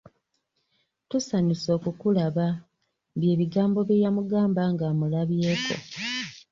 “Tusanyuse okukulaba” bye bigambo bye yamugamba nga amulabyeko.